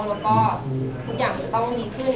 แล้วก็ทุกอย่างจะต้องดีขึ้น